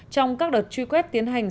trong các đợt truy quét tiến hành